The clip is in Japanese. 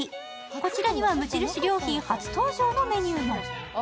こちらには無印良品初登場のメニューも。